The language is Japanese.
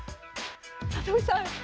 里見さん。